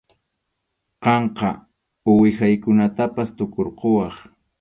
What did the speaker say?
Qamqa uwihaykunatapas tukurquwaq.